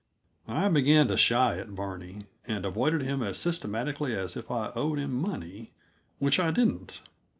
I began to shy at Barney, and avoided him as systematically as if I owed him money; which I didn't.